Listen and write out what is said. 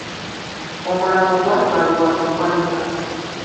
Omulambo gwatwalibwa mu ggwanika.